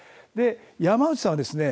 山内さんはですね